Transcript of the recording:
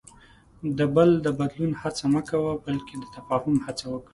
د بل د بدلون هڅه مه کوه، بلکې د تفاهم هڅه وکړه.